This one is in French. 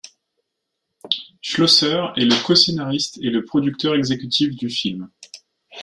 Schlosser est le coscénariste et le producteur exécutif du film.